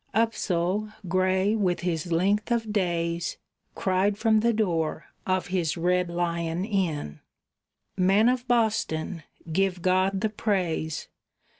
Upsall, gray with his length of days, Cried from the door of his Red Lion Inn: "Men of Boston, give God the praise!